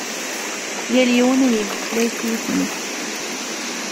Yal yiwen ad yemmeslay s yisem-is.